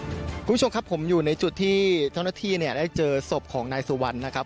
คุณผู้ชมครับผมอยู่ในจุดที่เจ้าหน้าที่เนี่ยได้เจอศพของนายสุวรรณนะครับ